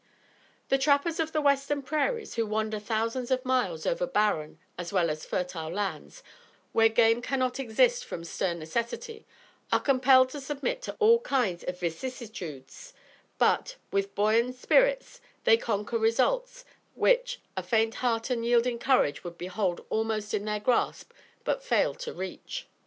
The trappers of the western prairies, who wander thousands of miles over barren as well as fertile lands, where game cannot exist from stern necessity, are compelled to submit to all kinds of vicissitudes; but, with buoyant spirits, they conquer results, which, a faint heart and yielding courage would behold almost in their grasp but fail to reach.